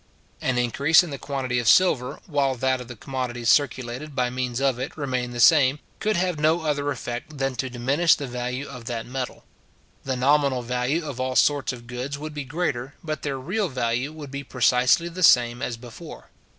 An increase in the quantity of silver, while that of the commodities circulated by means of it remained the same, could have no other effect than to diminish the value of that metal. The nominal value of all sorts of goods would be greater, but their real value would be precisely the same as before.